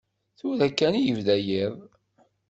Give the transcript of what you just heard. Tura kan i yebda yiḍ.